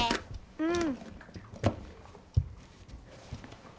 うん。